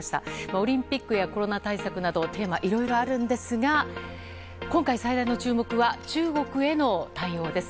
オリンピックやコロナ対策などテーマ、いろいろあるんですが今回最大の注目は中国への対応です。